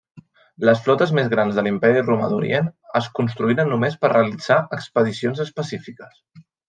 Les flotes més grans de l'Imperi Romà d'Orient es construïen només per realitzar expedicions específiques.